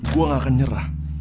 gua gak akan nyerah